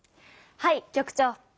はい局長。